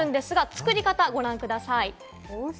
作り方をご覧ください。